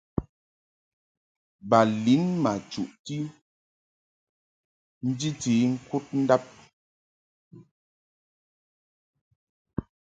Ba lin ma chuʼti njiti ŋkud ndab.